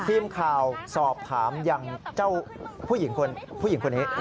ทีมข่าวสอบถามอย่างเจ้าผู้หญิงคนนี้